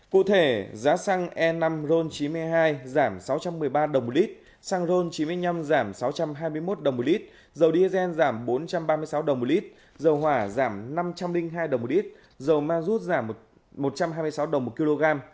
cụ thể giá xăng e năm ron chín mươi hai giảm sáu trăm một mươi ba đồng một lít xăng ron chín mươi năm giảm sáu trăm hai mươi một đồng một lít dầu diesel giảm bốn trăm ba mươi sáu đồng một lít dầu hỏa giảm năm trăm linh hai đồng một lít dầu ma rút giảm một trăm hai mươi sáu đồng một kg